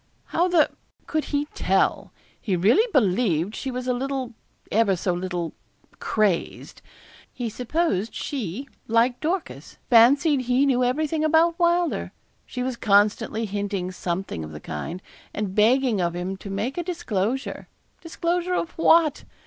'How the could he tell? He really believed she was a little ever so little crazed. He supposed she, like Dorcas, fancied he knew everything about Wylder. She was constantly hinting something of the kind; and begging of him to make a disclosure disclosure of what?